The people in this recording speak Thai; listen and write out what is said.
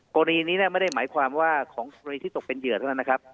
กรณีนี้ไม่ได้หมายความว่าของกรณีที่ตกเป็นเหยื่อเท่านั้นนะครับ